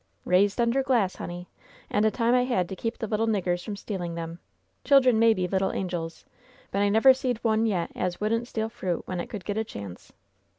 "Raised under glass, honey. And a time I had to keep the little niggers from stealing them! Children may be little angels, but I never seed one yet as wouldn't steal fruit when it could get a chance."